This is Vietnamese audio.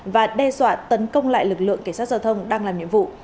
và đe dọa tấn công lại lực lượng cảnh sát giao thông đang làm nhiệm vụ